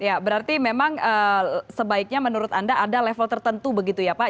ya berarti memang sebaiknya menurut anda ada level tertentu begitu ya pak